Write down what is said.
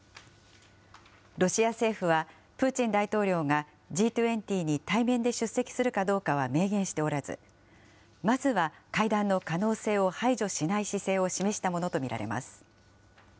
ロシア政府は、プーチン大統領がＧ２０に対面で出席するかどうかは明言しておらず、まずは会談の可能性を排除しない姿勢を示したものと見られます。